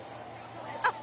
あっ！